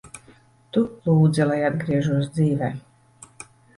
Tu lūdzi, lai atgriežos dzīvē.